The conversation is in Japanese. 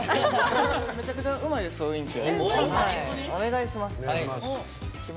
僕、めちゃくちゃうまいですよ、ウインク。